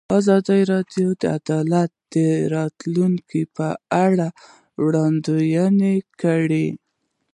ازادي راډیو د عدالت د راتلونکې په اړه وړاندوینې کړې.